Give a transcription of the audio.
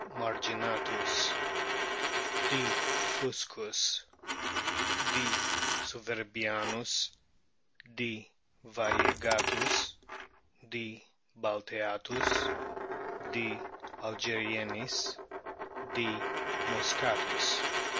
marginatus, D. fuse us, D. souverbiamis, D. varie gatus, D. balteatus, D. algerienis, D. mosckatus.